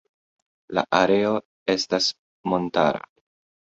La areo estas montara.